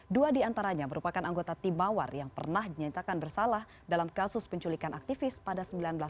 dua diantaranya merupakan anggota tim mawar yang pernah dinyatakan bersalah dalam kasus penculikan aktivis pada seribu sembilan ratus sembilan puluh